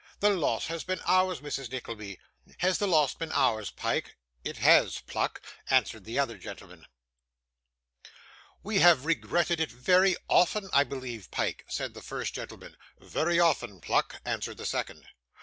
'The loss has been ours, Mrs Nickleby. Has the loss been ours, Pyke?' 'It has, Pluck,' answered the other gentleman. 'We have regretted it very often, I believe, Pyke?' said the first gentleman. 'Very often, Pluck,' answered the second.